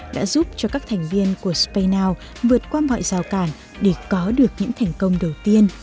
đã giúp cho các thành viên của spaynow vượt qua mọi rào cản để có được những thành công đầu tiên